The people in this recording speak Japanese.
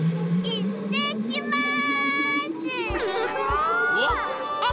いってきます！